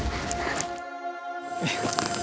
terima kasih kang